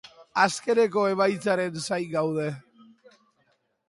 Azkeneko emaitzaren zain gaude.